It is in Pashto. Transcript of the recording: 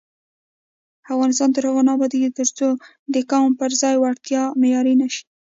افغانستان تر هغو نه ابادیږي، ترڅو د قوم پر ځای وړتیا معیار نشي.